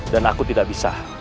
dan aku tidak bisa